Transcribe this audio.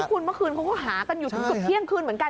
พี่คุณเมื่อคืนเขาก็หากันอยู่จุดเที่ยงคืนเหมือนกัน